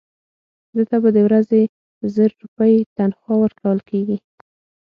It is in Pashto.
ده ته به د ورځې زر روپۍ تنخوا ورکول کېږي.